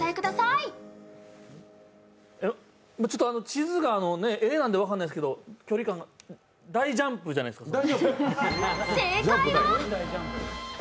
地図が絵なんで分からないんですけど、距離感が大ジャンプじゃないですか？